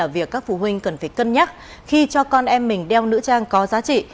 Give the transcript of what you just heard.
việc các phụ huynh cần phải cân nhắc khi cho con em mình đeo nữ trang có giá trị